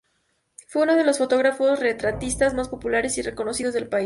Fue uno de los fotógrafos retratistas más populares y reconocidos del país.